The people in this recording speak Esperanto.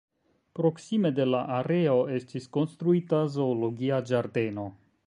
Proksime de la areo estis konstruita zoologia ĝardeno.